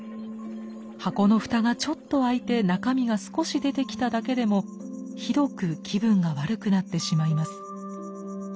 箱の蓋がちょっと開いて中身が少し出てきただけでもひどく気分が悪くなってしまいます。